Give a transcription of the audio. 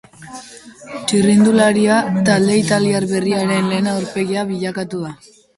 Txirrindularia, talde italiar berriaren lehen aurpegia bilakatu da.